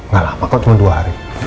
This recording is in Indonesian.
gak lama kok cuma dua hari